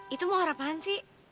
itu mawar apaan sih